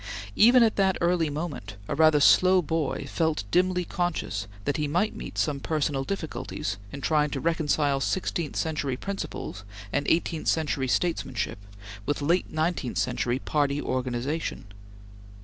Even at that early moment, a rather slow boy felt dimly conscious that he might meet some personal difficulties in trying to reconcile sixteenth century principles and eighteenth century statesmanship with late nineteenth century party organization.